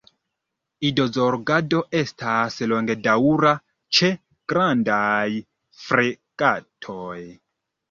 Idozorgado estas longdaŭra ĉe Grandaj fregatoj.